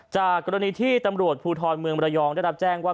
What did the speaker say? จากกรณีที่ตำรวจภูทรเมืองมรยองได้รับแจ้งว่า